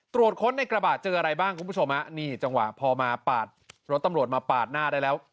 ตรวจค้นในกระบะเจออะไรบ้างคุณผู้ชมฮะนี่จังหวะพอมาปาดรถตำรวจมาปาดหน้าได้แล้ว